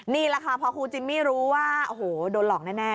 นี่แหละค่ะพอครูจิมมี่รู้ว่าโอ้โหโดนหลอกแน่